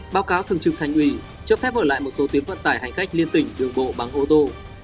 báo cáo thường trực thành ủy cho phép mở lại một số tuyến vận tải hành khách liên tỉnh đường bộ bằng ô tô